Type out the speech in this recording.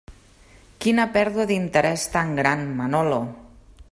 Quina pèrdua d'interès tan gran, Manolo!